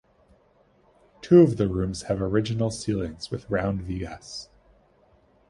Two of the rooms have original ceilings with round vigas.